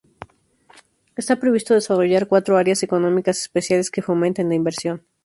Está previsto desarrollar cuatro áreas económicas especiales que fomenten la inversión.